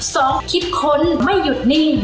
คิดค้นไม่หยุดนิ่ง